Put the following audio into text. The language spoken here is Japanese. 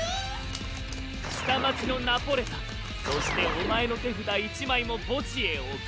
下町のナポレたんそしてお前の手札１枚も墓地へ送る。